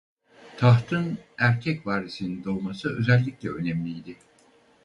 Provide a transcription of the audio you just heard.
Tahtın erkek varisinin doğması özellikle önemliydi.